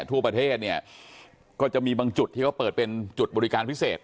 ทั่วประเทศเนี่ยก็จะมีบางจุดที่เขาเปิดเป็นจุดบริการพิเศษ